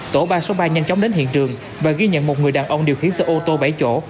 tổ ba trăm sáu mươi ba nhanh chóng đến hiện trường và ghi nhận một người đàn ông điều khiển xe ô tô bảy chỗ